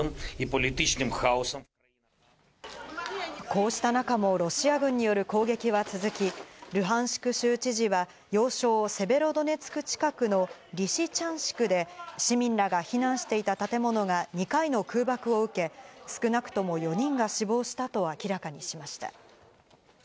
こうした中もロシア軍による攻撃は続き、ルハンシク州知事は要衝セベロドネツク近くのリシチャンシクで、市民らが避難していた建物が２回の空爆を受け、少なくとも４人が死亡したと明らかにしました。